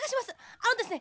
あのですね